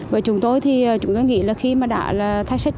với chúng tôi thì chúng tôi nghĩ là khi mà đã là thay sách